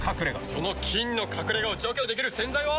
その菌の隠れ家を除去できる洗剤は。